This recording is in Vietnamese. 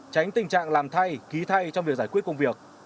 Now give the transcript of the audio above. tránh tình trạng làm thay ký thay trong việc giải quyết công việc